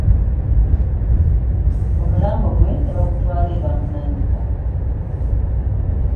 Omulambo gwe ne bagutwala e Baamunaanika